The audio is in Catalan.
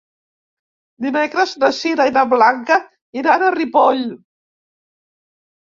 Dimecres na Sira i na Blanca iran a Ripoll.